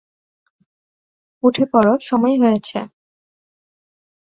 উঠে পড়ো, সময় হয়েছে।